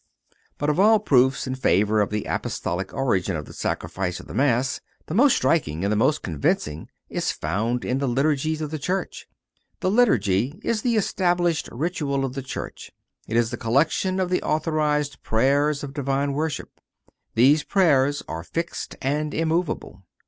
But of all proofs in favor of the Apostolic origin of the Sacrifice of the Mass, the most striking and the most convincing is found in the Liturgies of the Church. The Liturgy is the established Ritual of the Church. It is the collection of the authorized prayers of divine worship. These prayers are fixed and immovable.